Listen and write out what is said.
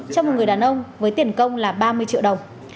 cho một người đàn ông với tiền công là ba mươi triệu đồng